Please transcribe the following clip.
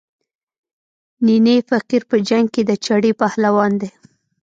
نینی فقیر په جنګ کې د چړې پهلوان دی.